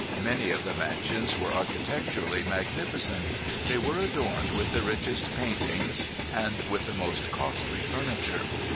Many of the mansions were architecturally magnificent. They were adorned with the richest paintings and with the most costly furniture.